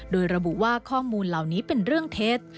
โดยระบุว่าข้อมูลเหล่านี้เป็นเรื่องเท็จ